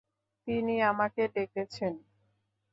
তিনি আমাকে ডেকেছেন।